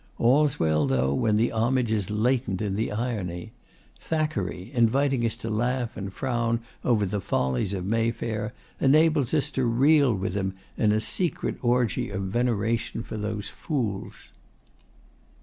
All's well, though, when the homage is latent in the irony. Thackeray, inviting us to laugh and frown over the follies of Mayfair, enables us to reel with him in a secret orgy of veneration for those fools.